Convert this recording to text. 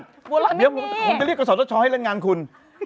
บัวรอบัวร่างแม่งเนี่ยเดี๋ยวผมจะเรียกกับสอดเจ้าช้อให้เล่นงานคุณ